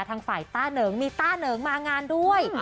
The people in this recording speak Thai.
ทางฝ่ายต้าเหนิงมีต้าเหนิงมางานด้วย